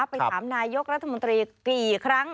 ไปถามนายกรัฐมนตรีกี่ครั้ง